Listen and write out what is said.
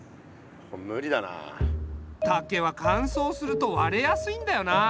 竹はかんそうすると割れやすいんだよな。